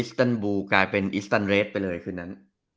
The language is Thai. อิสตานบูร์กลายเป็นอิสตานเรดไปเลยคืนนั้น